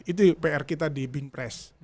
itu pr kita di bin press